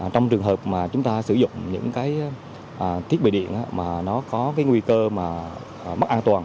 trong trường hợp chúng ta sử dụng những thiết bị điện có nguy cơ mất an toàn